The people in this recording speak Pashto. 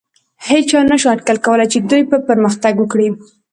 هېچا نهشو اټکل کولی، چې دوی به پرمختګ وکړي.